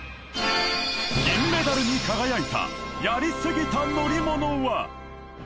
銀メダルに輝いたやりすぎた乗り物は？